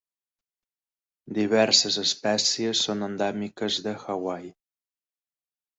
Diverses espècies són endèmiques de Hawaii.